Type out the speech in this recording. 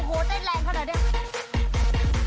โอ้โหเต้นแรงขนาดนี้